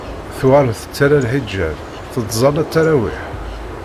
Tuɣal tettarra lḥiǧab, tettẓalla ttarawiḥ.